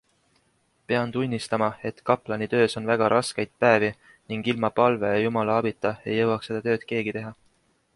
Pean tunnistama, et kaplani töös on väga raskeid päevi ning ilma palve ja Jumala abita ei jõuaks seda tööd keegi teha.